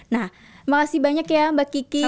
nah makasih banyak ya mbak kiki